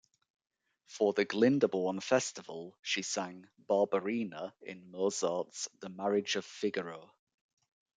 For the Glyndebourne Festival she sang Barbarina in Mozart's "The Marriage of Figaro".